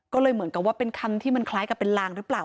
ก็เลยเหมือนกับว่าเป็นคำที่มันคล้ายกับเป็นลางหรือเปล่า